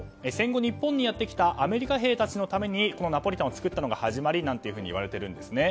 戦後日本にやってきたアメリカ兵たちのためにナポリタンを作ったのが始まりなんていわれているんです。